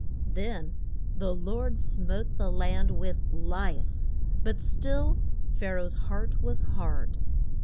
Then the Lord smote the land with lice; but still Pha ra oh's heart was hard.